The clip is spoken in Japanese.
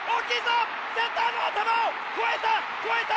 センターの頭を越えた越えた！